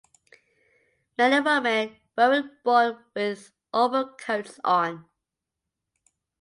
Men and women weren't born with overcoats on.